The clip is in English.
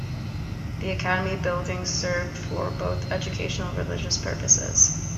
The academy building served for both educational and religious purposes.